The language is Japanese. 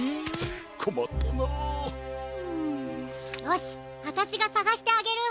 よしわたしがさがしてあげる！